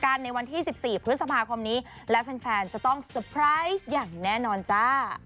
กันในวันที่สิบสี่พฤษภาคมนี้และแฟนแฟนจะต้องอย่างแน่นอนจ้ะ